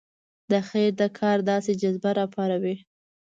د خیر د کار داسې جذبه راپاروي.